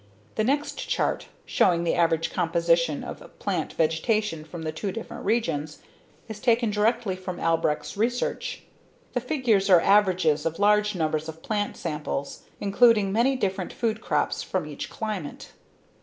The next chart, showing the average composition of plant vegetation from the two different regions, is taken directly from Albrecht's research. The figures are averages of large numbers of plant samples, including many different food crops from each climate.